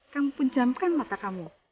kamu punjamkan mata kamu